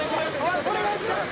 お願いします！」